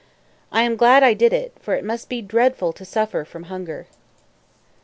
I am glad I did it, for it must be dreadful to suffer from hunger."